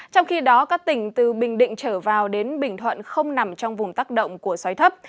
trong khi đó các tỉnh từ bình định trở vào đến bình thuận không nằm trong vùng tác động của xoáy thấp